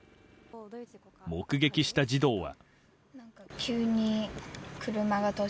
目撃した児童は。